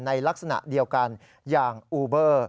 ในลักษณะเดียวกันอย่างอูเบอร์